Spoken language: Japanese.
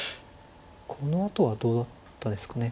このあとはどうだったですかね。